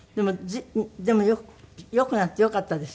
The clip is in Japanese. でもよくなってよかったですよね。